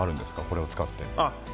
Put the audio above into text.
これを使って。